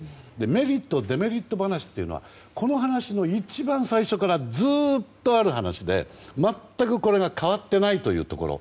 メリット、デメリット話というのはこの話の一番最初からずっとある話で全くこれが変わっていないというところ。